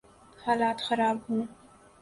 حالات خراب ہوں۔